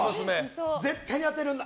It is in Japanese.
絶対に当てるんだ！